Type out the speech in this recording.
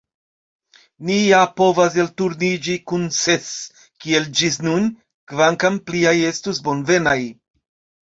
Ni ja povas elturniĝi kun ses, kiel ĝis nun, kvankam pliaj estus bonvenaj.